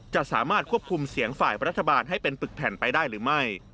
จะสามารถควบคุมเสียงฝ่ายรัฐบาลให้เป็นปึกแผ่นไปได้หรือไม่